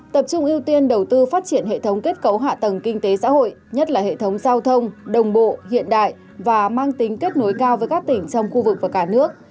tập trung ưu tiên đầu tư phát triển hệ thống kết cấu hạ tầng kinh tế xã hội nhất là hệ thống giao thông đồng bộ hiện đại và mang tính kết nối cao với các tỉnh trong khu vực và cả nước